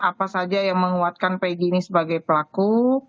apa saja yang menguatkan pegi ini sebagai pelaku